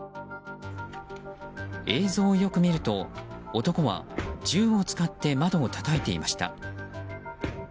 映像をよく見ると男は、銃を使って窓をたたいていました。